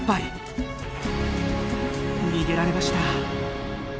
逃げられました。